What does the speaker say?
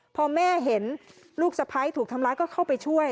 พอแม่เห็นลูกสะพ้ายถูกทำร้ายก็เข้าไปช่วย